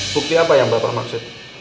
bukti apa yang bapak maksud